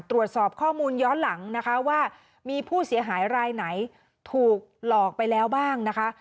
ตรวจสอบข้อมูลย้อนหลังนะคะว่ามีผู้เสียหายรายไหนถูกหลอกไปแล้วบ้างนะคะ